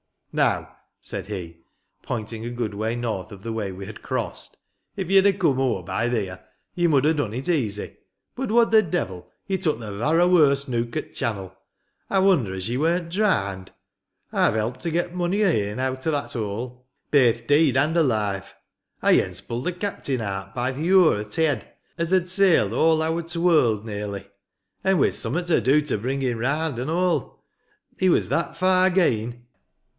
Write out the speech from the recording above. " Now," said he, pointing a good way north of the way we had crossed ;" if ye'd ha' come o'er by theer, ye mud ha' done it easy. Bud, what the devil, ye took the varra warst nook o't channel, I wonder as ye weren't draari'd. I've helped to get mony a ane aat o' that hole, — baith deead an' alive. I yence pulled a captain aat by th' yure o't' yed, as had sailed all ower t' warld, nearly. An' we'd summat to do to bring him raand, an all. He was that far geean.